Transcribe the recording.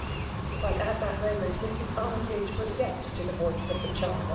But at that momeiit» Mrs. Axmytage vaa deaf to the 'voice of the charms.